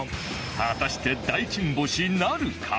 果たして大金星なるか？